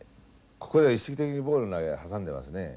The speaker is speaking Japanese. ここで意識的にボール挟んでますね。